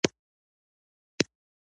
زه نن له احمد سره ښوونځي ته ځم.